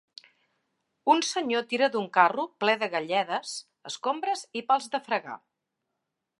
Un senyor tira d'un carro ple de galledes, escombres i pals de fregar.